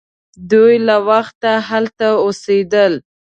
دوی له وخته هلته اوسیدل.